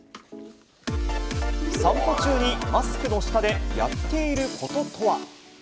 散歩中にマスクの下でやっていることとは。